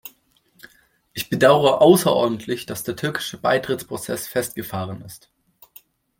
Ich bedaure außerordentlich, dass der türkische Beitrittsprozess festgefahren ist.